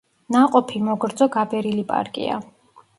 ნაყოფი მოგრძო გაბერილი პარკია.